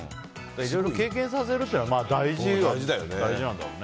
いろいろ経験させるのは大事なんだろうね。